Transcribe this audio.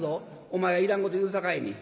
お前がいらんこと言うさかいに」。